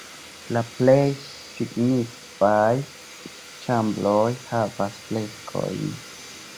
La plej signifaj ĉambroj havas freskojn.